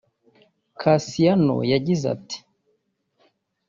Kassiano yagize ati